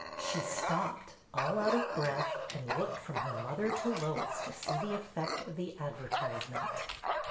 She stopped, all out of breath, and looked from her mother to Lois to see the effect of the adver tisement.